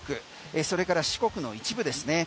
それから四国の一部ですね。